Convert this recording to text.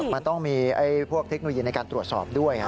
มันต้องมีพวกเทคโนโลยีในการตรวจสอบด้วย